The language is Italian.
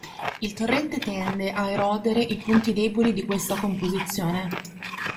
Il torrente tende a erodere i punti deboli di questa composizione.